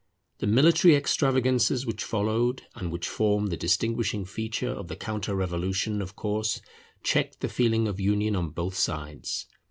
The military extravagances which followed, and which form the distinguishing feature of the counter revolution, of course checked the feeling of union on both sides.